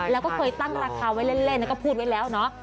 แล้วก็เคยตั้งราคาไว้เล่นแล้วก็พูดไว้แล้วเนาะ